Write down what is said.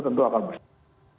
tentu akan besar